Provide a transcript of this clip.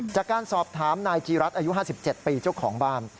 จากการสอบถามนายจีรัฐอายุห้าสิบเจ็ดปีเจ้าของบ้าน